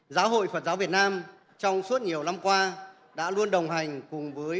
giáo hội phật giáo việt nam trong suốt nhiều năm qua đã luôn đồng hành cùng với